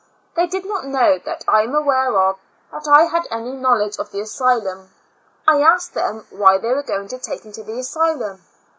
They did not know, that I am aware of, that I had any knowledge of the asylum. I asked them why they were going to take him to the asylum?